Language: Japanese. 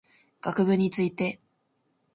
学部について